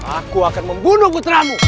aku akan membunuh puteramu